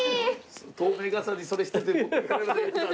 透明傘にそれしてて持ってかれるの。